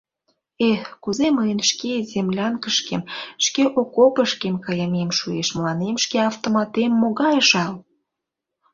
— Эх, кузе мыйын шке землянкышкем, шке окопышкем кайымем шуэш, мыланем шке автоматем могай жал!..